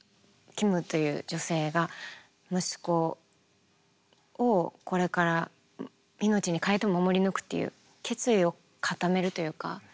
キムという女性が息子をこれから命に代えても守り抜くっていう決意を固めるというか。